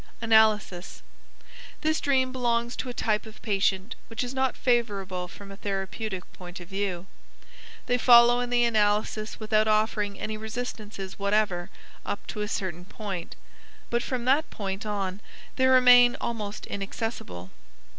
Analysis. This dream belongs to a type of patient which is not favorable from a therapeutic point of view. They follow in the analysis without offering any resistances whatever up to a certain point, but from that point on they remain almost inaccessible.